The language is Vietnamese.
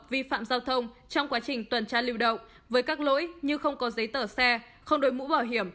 vi phạm giao thông trong quá trình tuần tra lưu động với các lỗi như không có giấy tờ xe